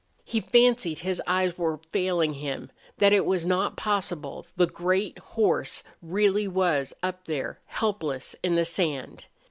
He fancied his eyes were failing him, that it was not possible the great horse really was up there, helpless in the sand.